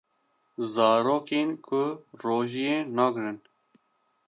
Zarokên ku rojiyê nagrin